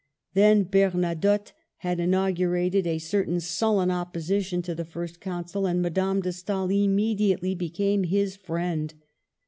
Then Bernadotte had inaugu rated a certain sullen opposition to the First Con sul, and Madame de Stael immediately became his friend.